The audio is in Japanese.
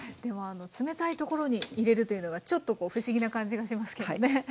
でも冷たいところに入れるというのがちょっと不思議な感じがしますけどね。